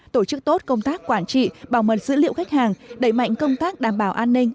tổ chức tốt công tác quản trị bảo mật dữ liệu khách hàng đẩy mạnh công tác đảm bảo an ninh